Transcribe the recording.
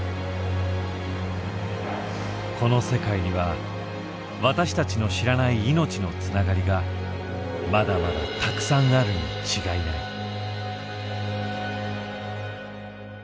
この世界には私たちの知らない命のつながりがまだまだたくさんあるに違いない。